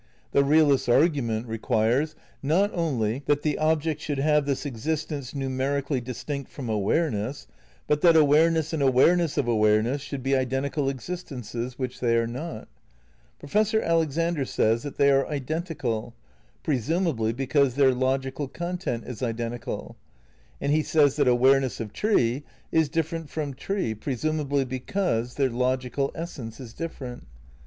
The realist's argument requires not only that the object should have this exist ence numerically distinct from awareness, but that awareness and awareness of awareness should be iden tical existences, which they are not. Professor Alex ander says that they are identical, presumably because their logical content is identical; and he says that awareness of tree is different from tree presumably be cause their logical essence is different.